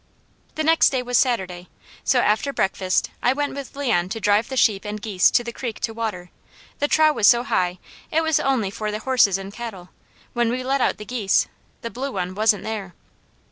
The next day was Saturday, so after breakfast I went with Leon to drive the sheep and geese to the creek to water; the trough was so high it was only for the horses and cattle; when we let out the geese, the blue one wasn't there.